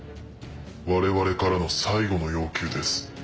我々からの最後の要求です。